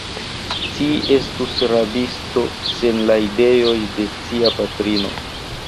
Ci estus rabisto, sen la ideoj de cia patrino.